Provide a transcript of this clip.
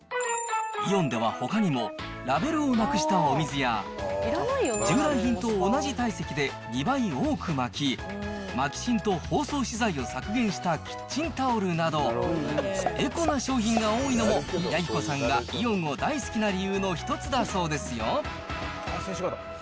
イオンではほかにも、ラベルをなくしたお水や、従来品と同じ体積で２倍多く巻き、巻き芯と包装資材を削減したキッチンタオルなど、エコな商品が多いのも、ヤギコさんがイオンを大好きな理由の１つだそうですよ。